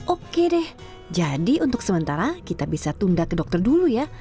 oke deh jadi untuk sementara kita bisa tunda ke dokter dulu ya